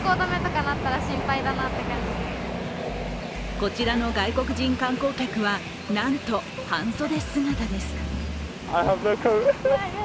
こちらの外国人観光客は、なんと半袖姿です。